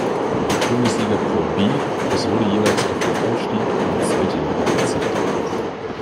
Bundesliga ProB, es wurde jeweils auf den Aufstieg in die zweite Liga verzichtet.